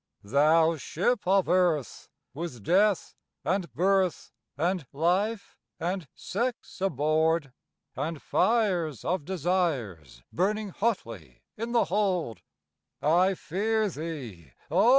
"Thou Ship of Earth, with Death, and Birth, and Life, and Sex aboard, And fires of Desires burning hotly in the hold, I fear thee, O!